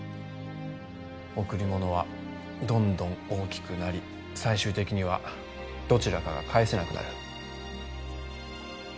贈り物はどんどん大きくなり最終的にはどちらかが返せなくなる。